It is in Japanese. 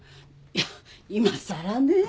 いやいまさらねえ。